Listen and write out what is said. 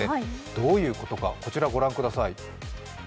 どういうことか、こちらご覧ください。